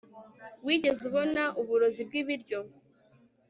wigeze ubona uburozi bwibiryo